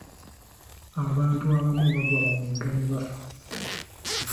Abantu abamu bagwa mu migga ne bafa.